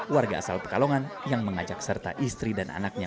warga asal pekalongan yang mengajak serta istri dan anaknya